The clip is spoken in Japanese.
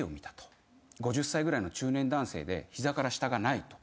５０歳ぐらいの中年男性で膝から下がないと。